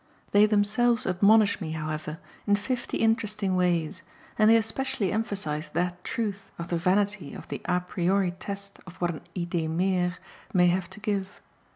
They themselves admonish me, however, in fifty interesting ways, and they especially emphasise that truth of the vanity of the a priori test of what an idee mere may have to give.